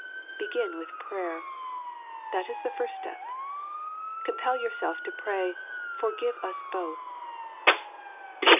Begin with prayer. That is the first step ; compel yourself to pray " Forgive us both."